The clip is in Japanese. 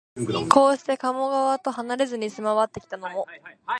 こうして、いつも加茂川とはなれずに住まってきたのも、